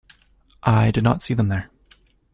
I did not see them there.